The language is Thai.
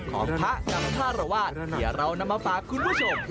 ของพระกับคารวาสที่เรานำมาฝากคุณผู้ชม